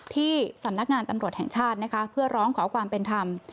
ที่สำนักงานตำรวจแห่งชาตินะคะเพื่อร้องขอความเป็นธรรม